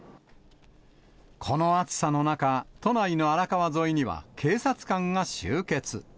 この暑さの中、都内の荒川沿いには警察官が集結。